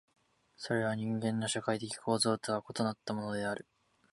それは人間の社会的構造とは異なったものである。